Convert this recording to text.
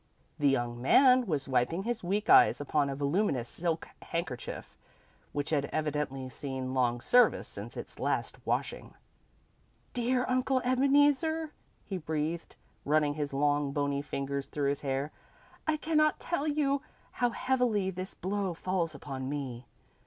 The young man was wiping his weak eyes upon a voluminous silk handkerchief which had evidently seen long service since its last washing. "Dear Uncle Ebeneezer," he breathed, running his long, bony fingers through his hair. "I cannot tell you how heavily this blow falls upon me.